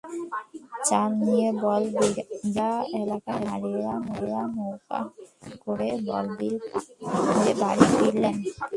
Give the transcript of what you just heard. চাল নিয়ে বড়বিলা এলাকার নারীরা নৌকায় করে বড়বিল পার হয়ে বাড়ি ফিরছিলেন।